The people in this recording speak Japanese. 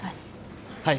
はい。